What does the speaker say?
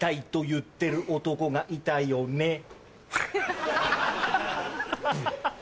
言ってる男がいたよねハハハ。